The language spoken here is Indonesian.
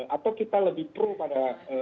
atau kita lebih pro pada